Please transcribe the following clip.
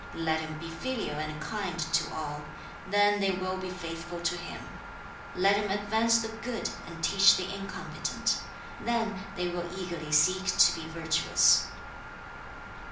Let him be filial and kind to all; then they will be faithful to him. Let him advance the good and teach the incompetent; then they will eagerly seek to be virtuous.'